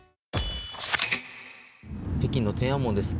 北京の天安門です。